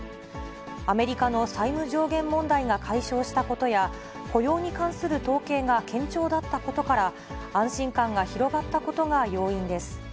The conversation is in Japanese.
アメリカの債務上限問題が解消したことや、雇用に関する統計が堅調だったことから、安心感が広がったことが要因です。